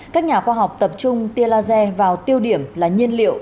các nhà khoa học tập trung tia laser vào tiêu điểm là nhiên liệu